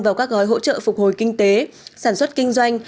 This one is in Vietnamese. vào các gói hỗ trợ phục hồi kinh tế sản xuất kinh doanh